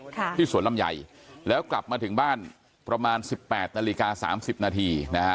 ค่ะที่สวนลำไยแล้วกลับมาถึงบ้านประมาณสิบแปดนาฬิกาสามสิบนาทีนะฮะ